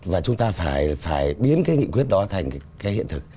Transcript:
và chúng ta phải biến cái nghị quyết đó thành cái hiện thực